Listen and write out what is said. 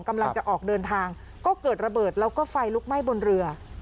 กำลังจะออกเดินทางก็เกิดระเบิดแล้วก็ไฟลุกไหม้บนเรือ